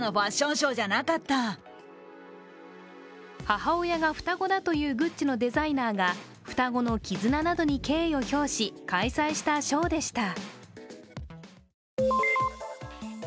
母親が双子だというグッチのデザイナーが双子の絆などに敬意を表し、開催したショーでした。